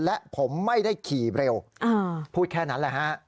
และผมไม่ได้ขี่เร็วพูดแค่นั้นแหละฮะ